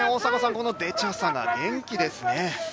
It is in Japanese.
このデチャサが元気ですね。